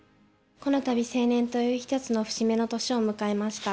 このたび成年という一つの節目の年を迎えました。